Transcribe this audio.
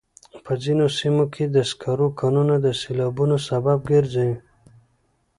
په ځینو سیمو کې د سکرو کانونه د سیلابونو سبب ګرځي.